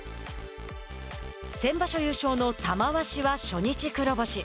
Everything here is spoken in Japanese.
先場所優勝の玉鷲は初日黒星。